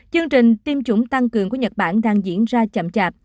chương trình tiêm chủng tăng cường của nhật bản đang diễn ra chậm chạp